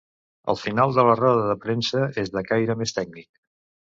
El final de la roda de premsa és de caire més tècnic.